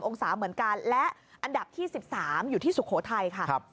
องศาเหมือนกันและอันดับที่๑๓อยู่ที่สุโขทัยค่ะ